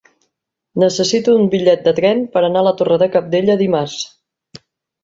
Necessito un bitllet de tren per anar a la Torre de Cabdella dimarts.